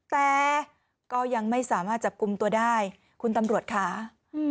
แต่ก็ยังไม่สามารถจับกลุ่มตัวได้คุณตำรวจค่ะอืม